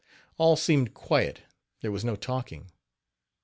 All seemed quiet there was no talking.